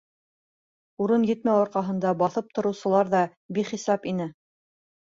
Урын етмәү арҡаһында баҫып тороусылар ҙа бихисап ине.